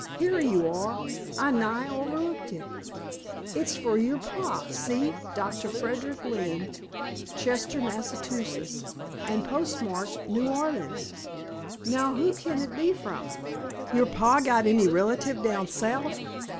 "Here you are! I nigh overlooked it. It's for your pa see 'Doctor Frederick Lynne, Chester, Mass.,' and postmarked New Orleans. Now, who kin it be from? Your pa got any relative down South?